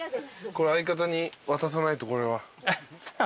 相方に渡さないとこれは。